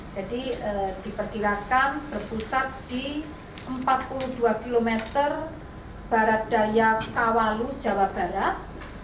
jadi diperkirakan berpusat di empat puluh dua km barat daya kawalu jawa barat